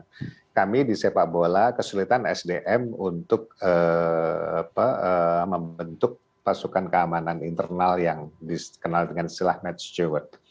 pertama di sepak bola kesulitan sdm untuk membentuk pasukan keamanan internal yang dikenal dengan silah matt stewart